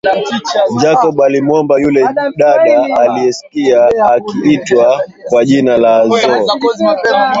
Jacob alimwomba yule dada aliyesikia akiitwa kwa jina la Zo